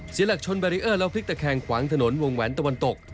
เสียหลักชนแบรีเออร์แล้วพลิกตะแคงขวางถนนวงแหวนตะวันตก